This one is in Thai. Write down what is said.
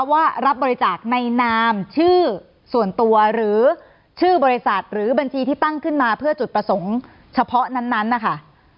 ว่ารับบริจาคในนามชื่อส่วนตัวหรือชื่อบริษัทหรือบัญชีที่ตั้งขึ้นมาเพื่อจุดประสงค์เฉพาะนั้นนะคะ